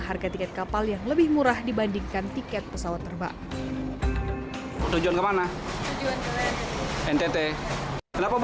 harga tiket kapal yang lebih murah dibandingkan tiket pesawat terbang tujuan kemana ntt kenapa